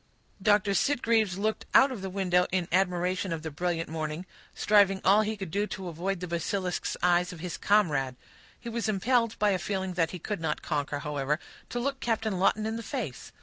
Doctor Sitgreaves looked out of the window in admiration of the brilliant morning, striving all he could to avoid the basilisk's eyes of his comrade. He was impelled, by a feeling that he could not conquer, however, to look Captain Lawton in the face.